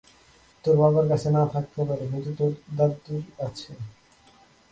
তোর বাবার কাছে না থাকতে পারে, কিন্তু তোর দাদুর আছে!